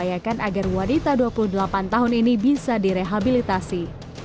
dan memastikan agar wanita dua puluh delapan tahun ini bisa direhabilitasi